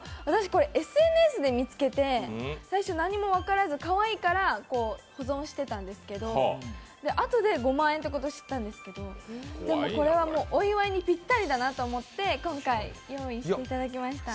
これ、ＳＮＳで見つけて最初なにも分からずかわいいから、保存してたんですけど、あとで５万円ということを知ったんですけど、でもこれはお祝いにぴったりだなと思って今回、用意していただきました。